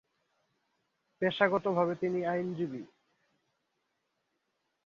পেশাগতভাবে তিনি আইনজীবী।